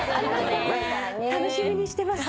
楽しみにしてます。